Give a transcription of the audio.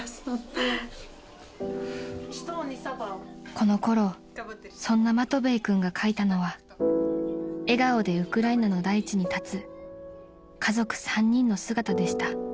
［このころそんなマトヴェイ君が描いたのは笑顔でウクライナの大地に立つ家族３人の姿でした］